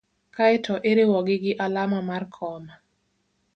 kae to iriwogi gi alama mar koma.